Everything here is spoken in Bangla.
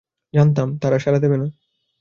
জানতাম, তারা সাড়া দেবে না।